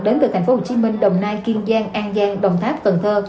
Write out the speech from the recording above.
đến từ tp hcm đồng nai kiên giang an giang đồng tháp cần thơ